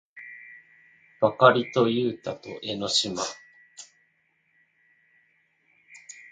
ばかりとゆうたと江の島